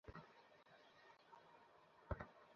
আমার ব্যস্ত শিডিউল ফেলে তোমাকে সঙ্গ দিতে চলে এসেছি।